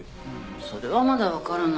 それはまだ分からない。